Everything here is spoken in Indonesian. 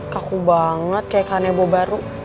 kaku banget kayak kak nebo baru